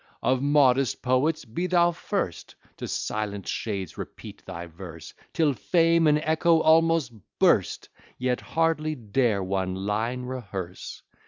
"Of modest poets be thou first; To silent shades repeat thy verse, Till Fame and Echo almost burst, Yet hardly dare one line rehearse.